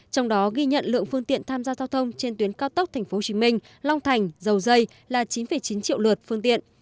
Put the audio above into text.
trong đó ghi nhận lượng phương tiện tham gia giao thông trên tuyến cao tốc tp hcm long thành dầu dây là chín chín triệu lượt phương tiện